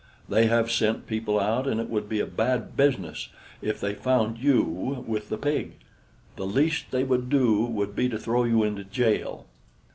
They have sent people out, and it would be a bad business if they found you with the pig. The least they would do would be to throw you into jail."